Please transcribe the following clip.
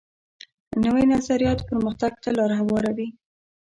نوی نظریات پرمختګ ته لار هواروي